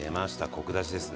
コク出しですね。